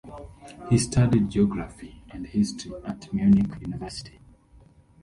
He studied geography and history at Munich University.